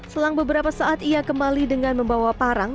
selang beberapa saat ia kembali dengan membawa parang